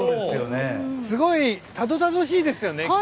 すごい、たどたどしいですよね。